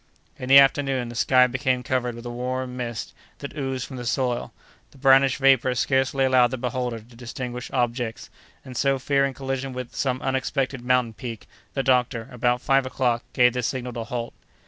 In the afternoon, the sky became covered with a warm mist, that oozed from the soil; the brownish vapor scarcely allowed the beholder to distinguish objects, and so, fearing collision with some unexpected mountain peak, the doctor, about five o'clock, gave the signal to halt.